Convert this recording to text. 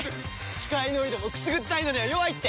キカイノイドもくすぐったいのには弱いって。